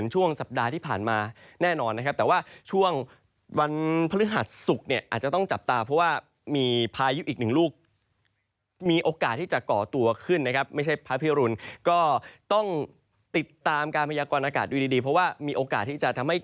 การพยากรณ์อากาศดูดีเพราะว่ามีโอกาสที่จะทำให้